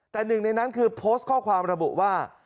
แต่หนึ่งในนั้นคือโพสต์ข้อความระบุว่า